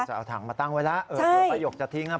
จะเอาถังมาตั้งไว้แล้วเออป้าหยกจะทิ้งครับ